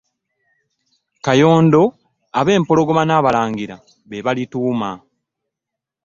Kayondo ab'empologoma n'abalangira be balituuma.